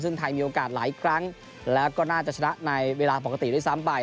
ซึ่งไทยมีโอกาสหลายครั้งแล้วก็น่าจะชนะในเวลาปกติด้วยซ้ำไป